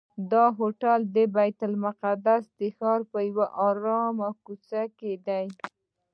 دا هوټل د بیت المقدس د ښار په یوه آرامه کوڅه کې دی.